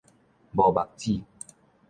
無目子